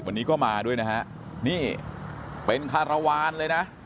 วันนี้ก็มาด้วยนะฮะนี่เป็นคารวาลเลยนะ